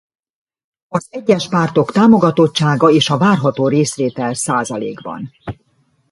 Az egyes pártok támogatottsága és a várható részvétel százalékban.